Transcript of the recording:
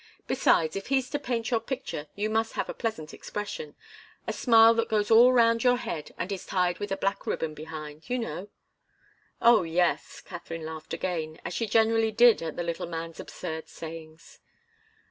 Besides, if he's to paint your picture you must have a pleasant expression a smile that goes all round your head and is tied with a black ribbon behind you know?" "Oh, yes!" Katharine laughed again, as she generally did at the little man's absurd sayings.